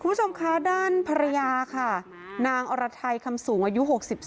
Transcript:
คุณผู้ชมคะด้านภรรยาค่ะนางอรไทยคำสูงอายุ๖๒